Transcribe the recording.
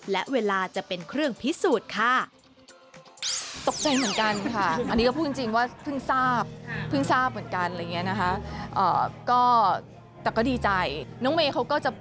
และเวลาจะเป็นเครื่องพิสูจน์ค่ะ